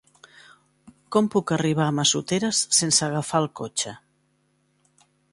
Com puc arribar a Massoteres sense agafar el cotxe?